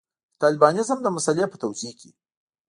د طالبانیزم د مسألې په توضیح کې.